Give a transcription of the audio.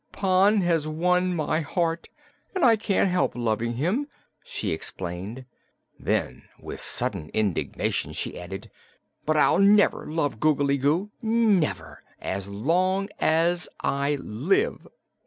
"Pon has won my heart, and I can't help loving him," she explained. Then with sudden indignation she added: "But I'll never love Googly Goo never, as long as I live!"